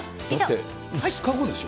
だって、５日後でしょ。